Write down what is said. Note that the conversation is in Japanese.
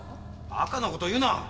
バカな事言うな！